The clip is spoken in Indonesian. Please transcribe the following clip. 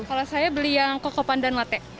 kalau saya beli yang kokopan dan latte